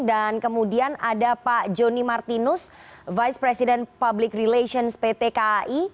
dan kemudian ada pak joni martinus vice president public relations pt kai